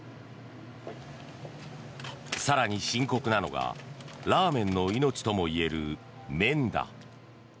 更に深刻なのがラーメンの命ともいえる麺だ。